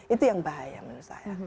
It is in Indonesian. itu yang bahaya menurut saya